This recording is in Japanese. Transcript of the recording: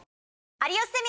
『有吉ゼミ』。